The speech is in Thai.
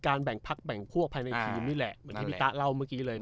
แบ่งพักแบ่งพวกภายในทีมนี่แหละเหมือนที่พี่ตะเล่าเมื่อกี้เลย